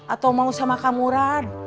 atau mau sama kang murad